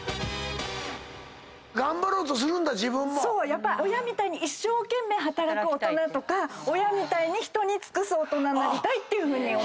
やっぱ親みたいに一生懸命働く大人親みたいに人に尽くす大人になりたいって。